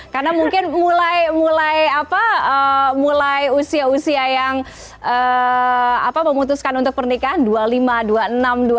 karena mungkin mulai usia usia yang memutuskan untuk pernikahan dua puluh lima dua puluh enam dua puluh tujuh